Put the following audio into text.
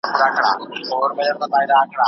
مجرم باید د قانون مطابق سزا وګوري.